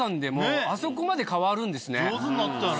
上手になったよね。